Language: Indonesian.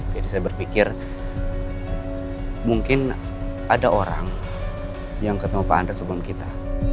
jadi saya berpikir mungkin ada orang yang ketemu pak andre sebelum kita